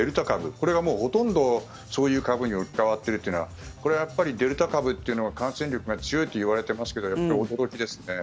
これがもうほとんどそういう株に置き換わってるのはこれはやっぱりデルタ株というのは感染力が強いといわれていますが驚きですね。